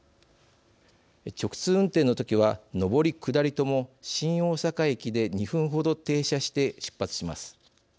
直通運転の時は上り下りとも新大阪駅で２分程停車して、出発します。